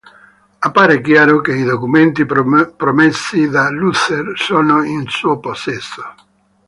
Appare chiaro che i documenti promessi da Luther sono in suo possesso.